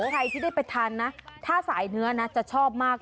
ใครที่ได้ไปทานนะถ้าสายเนื้อนะจะชอบมาก